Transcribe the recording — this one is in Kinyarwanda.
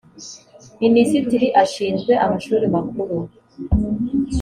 minisitiri ashinzwe amashuri makuru.